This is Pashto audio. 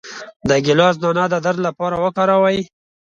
د ګیلاس دانه د درد لپاره وکاروئ